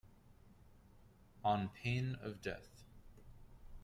On pain of death.